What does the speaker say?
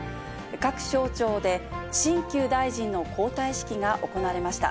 各省庁で、新旧大臣の交代式が行われました。